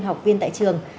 học viên tại trường